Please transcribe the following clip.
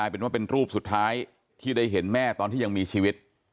เป็นว่าเป็นรูปสุดท้ายที่ได้เห็นแม่ตอนที่ยังมีชีวิต